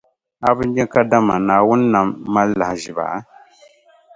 A bi nya kadama Naawuni nam mali lahaʒiba?